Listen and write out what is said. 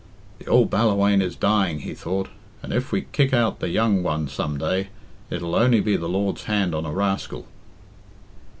"The ould Ballawhaine is dying," he thought; "and if we kick out the young one some day, it'll only be the Lord's hand on a rascal."